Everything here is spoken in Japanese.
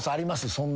そんな。